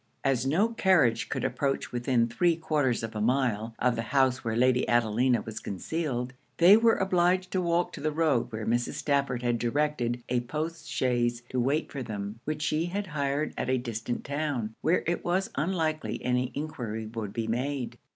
As no carriage could approach within three quarters of a mile of the house where Lady Adelina was concealed, they were obliged to walk to the road where Mrs. Stafford had directed a post chaise to wait for them, which she had hired at a distant town, where it was unlikely any enquiry would be made.